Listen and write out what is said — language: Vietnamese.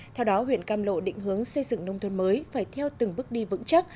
theo đó huyện cam lộ định hướng xây dựng nông thôn mới phải theo từng bước đi vững chắc